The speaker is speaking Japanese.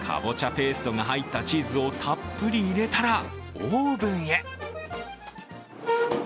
ペーストが入ったチーズをたっぷり入れたらオーブンへ。